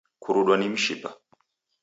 Kurudwa ni mshipa